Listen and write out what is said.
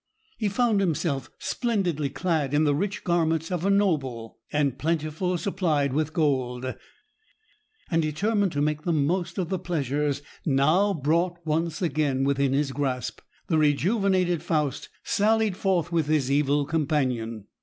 He found himself splendidly clad in the rich garments of a noble, and plentifully supplied with gold; and, determined to make the most of the pleasures now brought once again within his grasp, the rejuvenated Faust sallied forth with his evil companion.